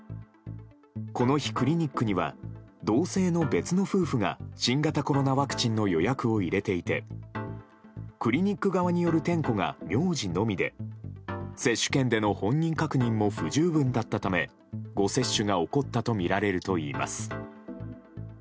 この日、クリニックには同姓の別の夫婦が新型コロナワクチンの予約を入れていてクリニック側による点呼が名字のみで接種券での本人確認も不十分だったため誤接種が起こったとみられるといいます。